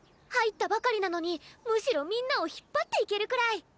入ったばかりなのにむしろみんなを引っ張っていけるくらい！